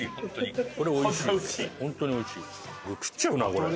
食っちゃうなこれ。